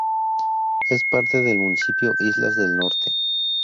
Es parte del Municipio Islas del Norte.